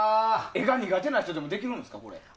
絵が苦手な人でもできるんですか？